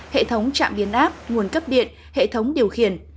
hệ thống trạm biến áp nguồn cấp điện hệ thống điều khiển